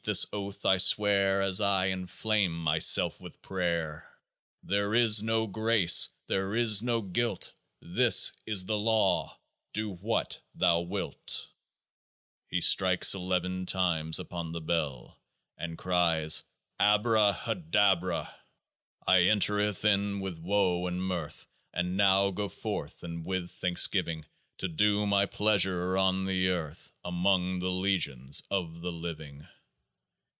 This Oath I swear As I enflame myself with prayer : 56 " There is no grace : there is no guilt : This is the Law : DO WHAT THOU WILT !" He strikes Eleven times upon the Bell, and cries ABRAHADABRA. I entered in with woe ; with mirth I now go forth, and with thanksgiving, To do my pleasure on the earth Among the legions of the living.